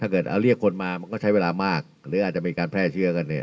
เกิดเอาเรียกคนมามันก็ใช้เวลามากหรืออาจจะมีการแพร่เชื้อกันเนี่ย